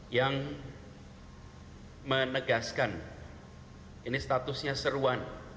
yang menegaskan ini statusnya seruan